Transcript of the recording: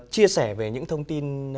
chia sẻ về những thông tin